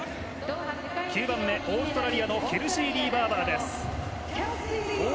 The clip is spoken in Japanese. ９番目オーストラリアのケルシー・リー・バーバー。